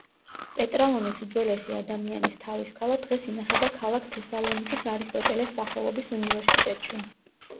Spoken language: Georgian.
პეტრალონის უძველესი ადამიანის თავის ქალა დღეს ინახება ქალაქ თესალონიკის არისტოტელეს სახელობის უნივერსიტეტში.